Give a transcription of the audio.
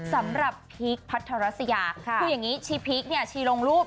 สำหรับพีคพัทราสยาครับค่ะคืออย่างงี้พีคเนี้ยฉีดลงรูป